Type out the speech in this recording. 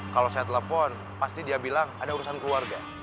kalau saya telepon pasti dia bilang ada urusan keluarga